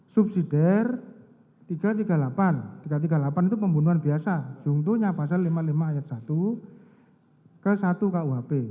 subsidi tiga ratus tiga puluh delapan tiga ratus tiga puluh delapan itu pembunuhan biasa jungtunya pasal lima puluh lima ayat satu ke satu kuhp